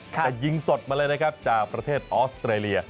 แต่ยิงสดมาเลยนะครับจากประเทศออสเตรเลีย